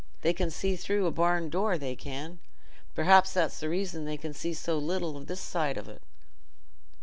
They can see through a barn door, they can. Perhaps that's the reason they can see so little o' this side on't."